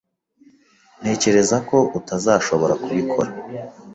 Ntekereza ko utazashobora kubikora.